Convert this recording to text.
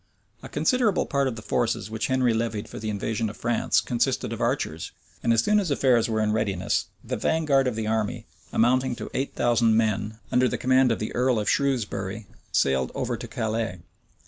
A considerable part of the forces which Henry levied for the invasion of France consisted of archers; and as soon as affairs were in readiness, the vanguard of the army, amounting to eight thousand men, under the command of the earl of Shrewsbury, sailed over to Calais.